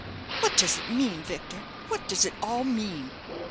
"What does it mean, Victor? what does it all mean?"